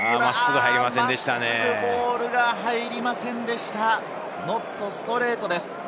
真っすぐボールが入りませんでした、ノットストレートです。